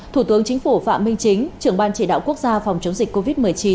thủ tướng chính phủ phạm minh chính trưởng ban chỉ đạo quốc gia phòng chống dịch covid một mươi chín